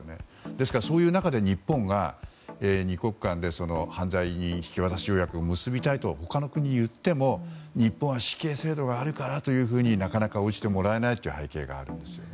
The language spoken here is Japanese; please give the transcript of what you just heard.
ですから、そういう中で日本が２国間で犯罪人引渡条約を結びたいと他の国に言っても日本は死刑制度があるからというふうになかなか応じてもらえないという背景があるんですね。